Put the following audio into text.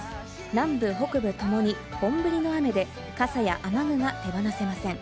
南部・北部ともに本降りの雨で、傘や雨具が手放せません。